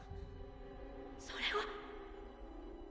それは！